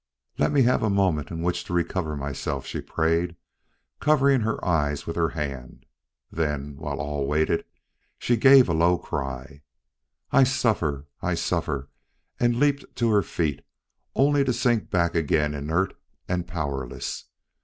"Let me have a moment in which to recover myself," she prayed, covering her eyes with her hand. Then, while all waited, she gave a low cry, "I suffer; I suffer!" and leaped to her feet, only to sink back again inert and powerless.